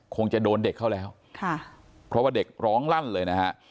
คงจะโดนเด็กเข้าแล้วค่ะเพราะว่าเด็กร้องลั่นเลยนะฮะ